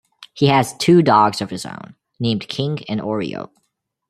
He has two dogs of his own, named King and Oreo.